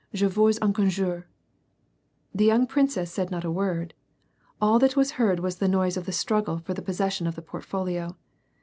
Je vous en conjure. ^ The young princess said not a word. All that was heard wa.s the noi.se of the struggle for the possession of the portfolio.